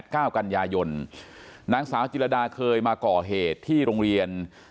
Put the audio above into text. เก้ากันยายนนางสาวจิรดาเคยมาก่อเหตุที่โรงเรียน